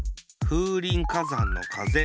風林火山のかぜ。